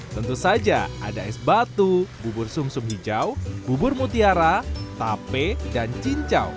tentu saja ada es batu bubur sum sum hijau bubur mutiara tape dan cincau